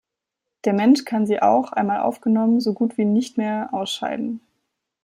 Der Mensch kann sie auch, einmal aufgenommen, so gut wie nicht mehr ausscheiden.